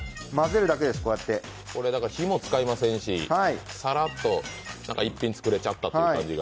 火も使いませんし、さらっと一品作れちゃったという感じが。